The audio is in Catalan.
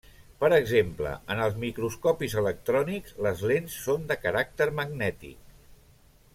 Per exemple, en els microscopis electrònics les lents són de caràcter magnètic.